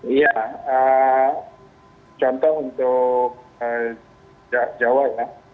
iya contoh untuk jawa ya